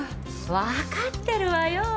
分かってるわよ。